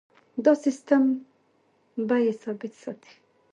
دا سیستم بیې ثابت ساتي.